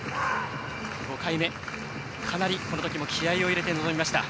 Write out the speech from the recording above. ５回目、かなりこのときも気合いを入れて臨みました。